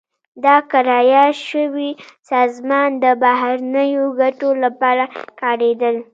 دا کرایه شوې سازمان د بهرنیو ګټو لپاره کارېدل.